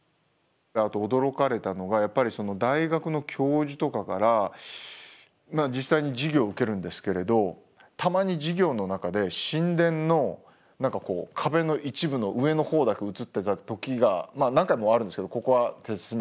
あと驚かれたのがやっぱり大学の教授とかからまあ実際に授業を受けるんですけれどたまに授業の中で神殿の壁の一部の上のほうだけ映ってた時が何回もあるんですけどここは説明する時に。